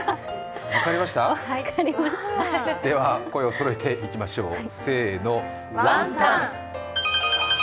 では声をそろえていきましょう、せーの。